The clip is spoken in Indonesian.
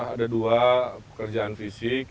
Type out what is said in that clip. ada dua pekerjaan fisik